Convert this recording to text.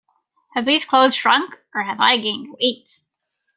Have these clothes shrunk, or have I gained weight?